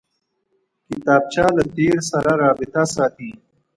کتابچه له تېر سره رابطه ساتي